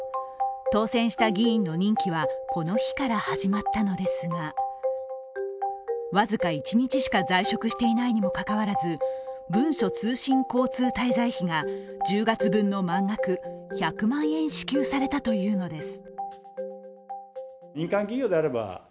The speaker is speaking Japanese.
当選した議員の任期はこの日から始まったのですが僅か１日しか在職していないにもかかわらず文書通信交通滞在費が１０月分の満額、１００万円支給されたというのです。